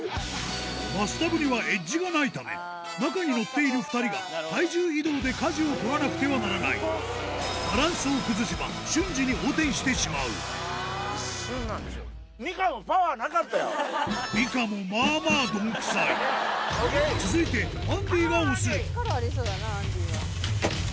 バスタブにはエッジがないため中に乗っている２人が体重移動で舵を取らなくてはならないバランスを崩せば瞬時に横転してしまうミカも続いて力ありそうだなアンディーは。